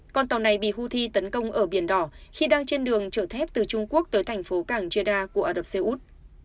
con tàu này bị houthi tấn công ở biển đỏ khi đang trên đường chở thép từ trung quốc tới thành phố cảng jeda của ả rập xê út